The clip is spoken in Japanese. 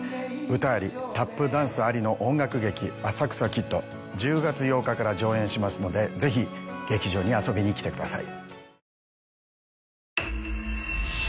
歌ありタップダンスありの音楽劇『浅草キッド』１０月８日から上演しますのでぜひ劇場に遊びに来てください。